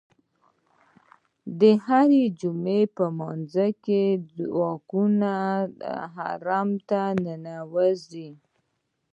د هرې جمعې په لمانځه کې یې ځواکونه حرم ته ننوځي.